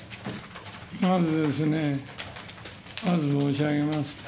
まずですね、まず申し上げます。